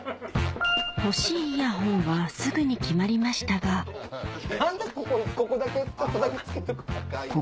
欲しいイヤホンはすぐに決まりましたが何でここだけちょっとだけ着けとくん？